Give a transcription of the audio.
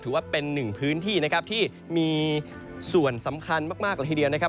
ถือว่าเป็นหนึ่งพื้นที่นะครับที่มีส่วนสำคัญมากเลยทีเดียวนะครับ